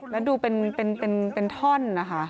แล้วดูเป็นท่อนนะคะ